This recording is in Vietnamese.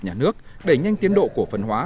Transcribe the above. nhà nước để nhanh tiến độ cổ phần hóa